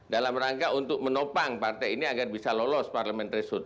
dalam rangka untuk menopang partai ini agar bisa lolos parliamentary shood